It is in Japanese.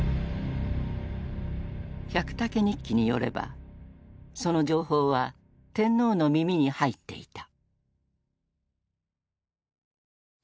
「百武日記」によればその情報は天皇の耳に入っていた。